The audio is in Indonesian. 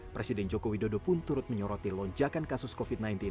presiden joko widodo pun turut menyoroti lonjakan kasus covid sembilan belas